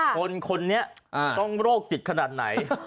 คนคนนี้ต้องโรคจิตขนาดไหน